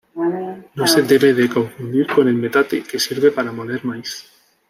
No se debe de confundir con el metate, que sirve para moler maíz.